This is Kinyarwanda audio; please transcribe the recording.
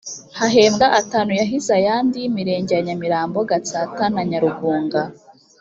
hahembwa atanu yahize ayandi y’imirenge ya nyamirambo gatsata na nyarugunga